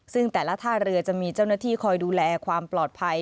ซึ่งแต่ละท่าเรือจะมีเจ้าหน้าที่คอยดูแลความปลอดภัย